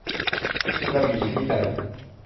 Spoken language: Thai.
กระบี่อยู่ที่ใจ